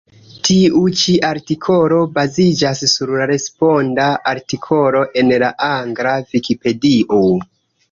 Tiu ĉi artikolo baziĝas sur la responda artikolo en la angla Vikipedio.